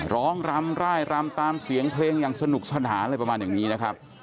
รำร่ายรำตามเสียงเพลงอย่างสนุกสนานอะไรประมาณอย่างนี้นะครับ